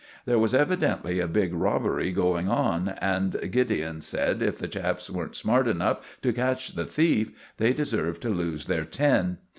There was evidently a big robbery going on, and Gideon said if the chaps weren't smart enough to catch the thief they deserved to lose their tin.